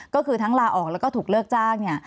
ก็คือทั้งลาออกแล้วก็ถูกเลิกจ้างเนี่ย